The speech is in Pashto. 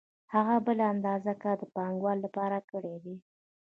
هغه بله اندازه کار د پانګوال لپاره کړی دی